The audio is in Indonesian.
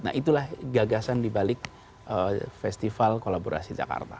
nah itulah gagasan di balik festival kolaborasi jakarta